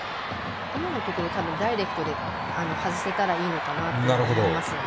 今のところダイレクトで外せたらいいのかなと思います。